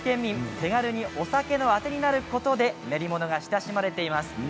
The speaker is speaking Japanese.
手軽にお酒のあてになることで練り物が親しまれてきます。